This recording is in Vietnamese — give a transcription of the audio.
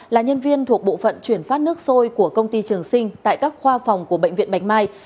là nhân viên thuộc bộ phận chuyển phát nước sôi của công ty trường sinh tại các khoa phòng của bệnh viện bạch mai